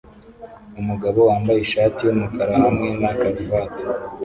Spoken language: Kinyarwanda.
Umugabo wambaye ishati yumukara hamwe na karuvati